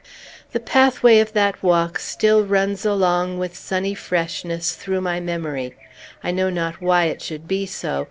The pathway of that walk still runs along, with sunny freshness, through my memory. I know not why it should be so.